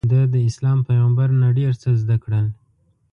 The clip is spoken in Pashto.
ده داسلام پیغمبر نه ډېر څه زده کړل.